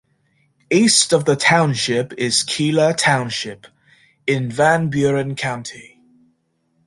East of the township is Keeler Township in Van Buren County.